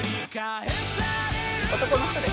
男の人です。